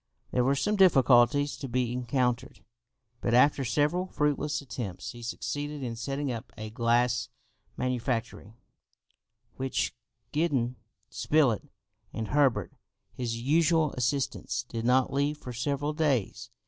There were some difficulties to be encountered, but after several fruitless attempts, he succeeded in setting up a glass manufactory, which Gideon Spilett and Herbert, his usual assistants did not leave for several days.